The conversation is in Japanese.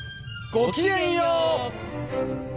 ご機嫌よう！